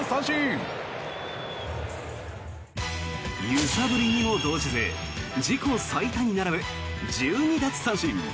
揺さぶりにも動じず自己最多に並ぶ１２奪三振。